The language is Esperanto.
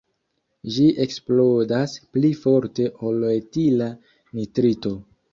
Ĝi eksplodas pli forte ol etila nitrito.